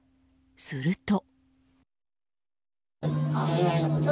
すると。